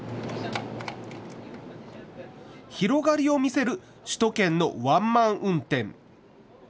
広がりを見せる首都圏のワンマン運転。